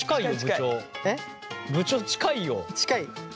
部長近いよ。近い？